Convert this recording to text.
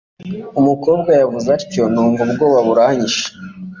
umukobwa yavuze atyo numva ubwoba buranyishe